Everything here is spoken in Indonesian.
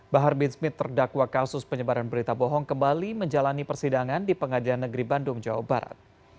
bahar bin smith terdakwa kasus penyebaran berita bohong kembali menjalani persidangan di pengadilan negeri bandung jawa barat